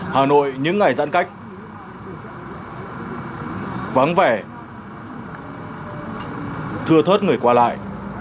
hà nội những ngày giãn cách vắng vẻ thưa thớt người qua lại